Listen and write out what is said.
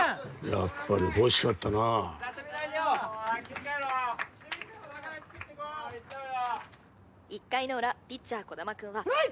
やっぱり欲しかったな１回の裏ピッチャー児玉くんはプレー！